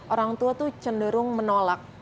orang tua tuh cenderung menolak